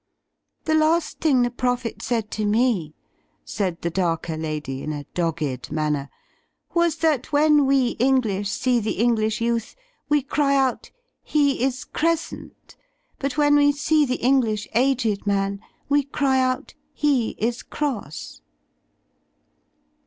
"The last thing the Prophet said to me," said the darker lady, in a dogged manner, "was that when we English see the English youth, we cry out 'He is cres cent!' But when we see the English aged man, we cry out 'He is cross!'